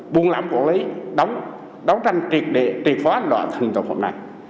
buôn lãm quản lý đấu tranh triệt địa triệt phó án loại thường tục hôm nay